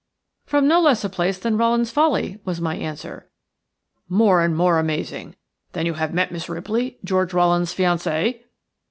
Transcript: "From no less a place than Rowland's Folly," was my answer. "More and more amazing. Then you have met Miss Ripley, George Rowland's fiancée?"